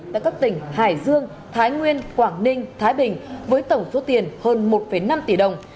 tại các tỉnh hải dương thái nguyên quảng ninh thái bình với tổng số tiền hơn một năm tỷ đồng